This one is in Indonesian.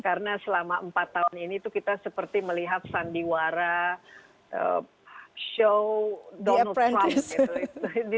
karena selama empat tahun ini kita seperti melihat sandiwara show donald trump